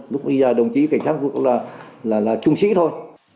lúc bây giờ đồng chí cảnh sát là trung sĩ thôi